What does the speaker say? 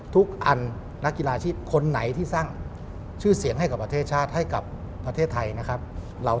ทุกอันนักกีฬาอาชีพคนไหนที่สร้างชื่อเสียงให้กับประเทศชาติให้กับประเทศไทยนะครับ